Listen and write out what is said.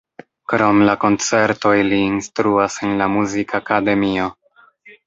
Krom la koncertoj li instruas en la muzikakademio.